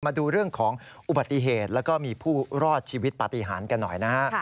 มาดูเรื่องของอุบัติเหตุแล้วก็มีผู้รอดชีวิตปฏิหารกันหน่อยนะฮะ